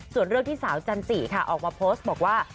ส่วนเรื่องที่สาวจันจิค่ะออกมาโพสต์บอกว่า